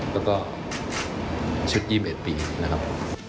แล้วก็ชุด๒๑ปีนะครับ